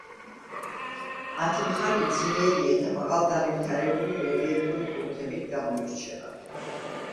მათი მხარი ძლიერია და მაღალგანვითარებული რელიეფური კუნთებით გამოირჩევა.